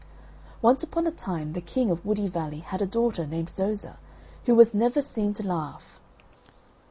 Once upon a time the King of Woody Valley had a daughter named Zoza, who was never seen to laugh.